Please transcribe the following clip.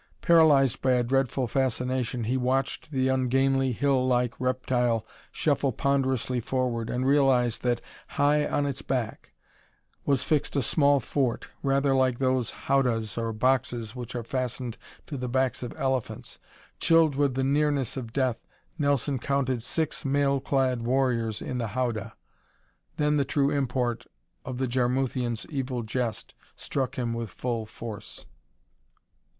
Paralyzed by a dreadful fascination he watched the ungainly, hill like reptile shuffle ponderously forward and realized that, high on its back, was fixed a small fort, rather like those howdahs or boxes which are fastened to the backs of elephants. Chilled with the nearness of death, Nelson counted six mail clad warriors in the howdah. Then the true import of the Jarmuthians evil jest struck him with full force.